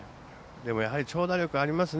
でも、やはり長打力がありますね。